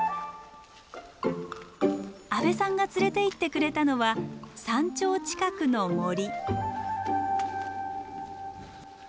阿部さんが連れていってくれたのは山頂近くの森。